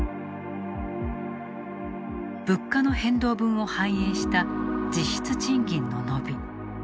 物価の変動分を反映した実質賃金の伸び。